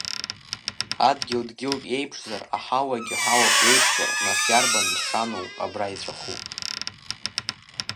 Адгьыл дгьылк еиԥшзар, аҳауагьы ҳауак еиԥшзар, нас иарбан шаноу абра иҵәаху?